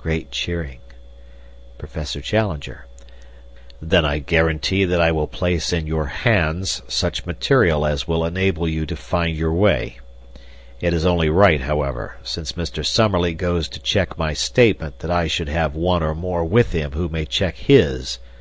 (Great cheering.) Professor Challenger: "Then I guarantee that I will place in your hands such material as will enable you to find your way. It is only right, however, since Mr. Summerlee goes to check my statement that I should have one or more with him who may check his.